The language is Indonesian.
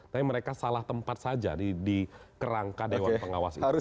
tapi mereka salah tempat saja di kerangka dewan pengawas itu